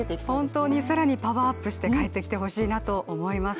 本当に更にパワーアップして帰ってきてほしいなと思います。